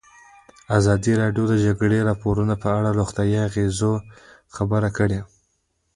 ازادي راډیو د د جګړې راپورونه په اړه د روغتیایي اغېزو خبره کړې.